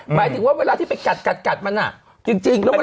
หมายถึงว่าเวลาที่ไปกัดมันจริงแล้ว